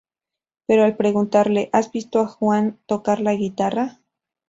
Pero al preguntarle ""¿Has visto a Juan tocar la guitarra?